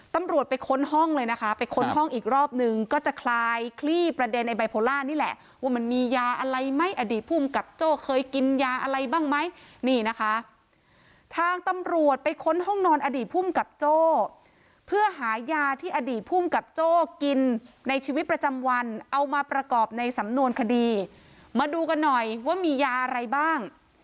ตำรวจไปค้นห้องเลยนะคะไปค้นห้องอีกรอบนึงก็จะคลายคลี่ประเด็นไอ้ไบโพล่านี่แหละว่ามันมียาอะไรไหมอดีตภูมิกับโจ้เคยกินยาอะไรบ้างไหมนี่นะคะทางตำรวจไปค้นห้องนอนอดีตภูมิกับโจ้เพื่อหายาที่อดีตภูมิกับโจ้กินในชีวิตประจำวันเอามาประกอบในสำนวนคดีมาดูกันหน่อยว่ามียาอะไรบ้าง